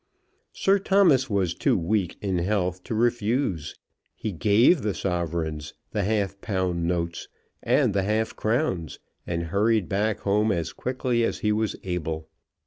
Sir Thomas was too weak in health to refuse. He gave the sovereigns, the five pound notes, and the half crowns, and hurried back home as quickly as he was able.